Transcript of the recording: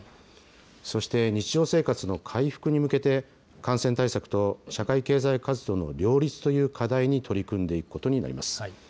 そして日常生活の回復に向けて、感染対策と社会経済活動の両立という課題に取り組んでいくことになります。